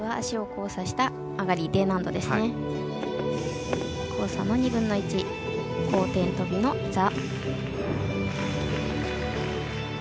交差の２分の１後転とびの座。